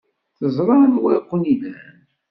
Teẓra anwa ay ken-ilan.